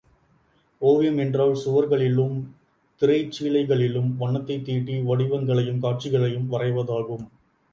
ஓவியம் என்றால் சுவர்களிலும், திரைச்சீலைகளிலும் வண்ணத்தைத் தீட்டி, வடிவங்களையும் காட்சிகளையும் வரைவதாகும்.